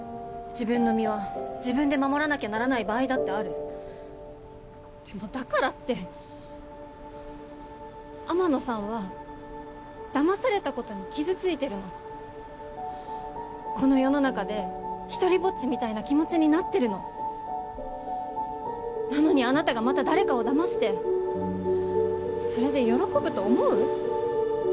自分の身は自分で守らなきゃならない場合だってあるでもだからって天野さんは騙されたことに傷ついてるのこの世の中で独りぼっちみたいな気持ちになってるのなのにあなたがまた誰かを騙してそれで喜ぶと思う？